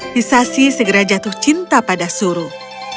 hisasi segera jatuh cinta pada suruh